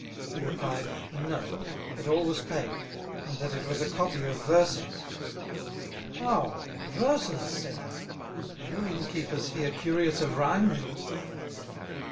He replied, No, that all was paid, and that it was a Copy of Verses. "How! Verses," said I, "are your Inn Keepers here curious of Rhime then?"